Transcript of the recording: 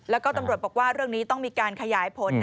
แล้วก็ตำรวจบอกว่าเรื่องนี้ต้องมีการขยายผล